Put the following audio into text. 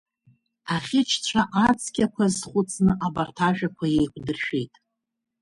Аӷьычцәа ацқьақәа азхәыцны, абарҭ ажәақәа еиқәдыршәеит.